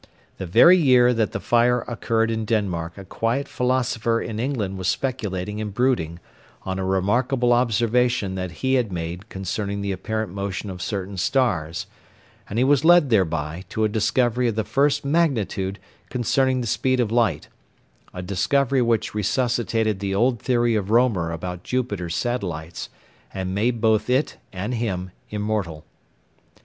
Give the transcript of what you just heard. The very year that the fire occurred in Denmark a quiet philosopher in England was speculating and brooding on a remarkable observation that he had made concerning the apparent motion of certain stars, and he was led thereby to a discovery of the first magnitude concerning the speed of light a discovery which resuscitated the old theory of Roemer about Jupiter's satellites, and made both it and him immortal.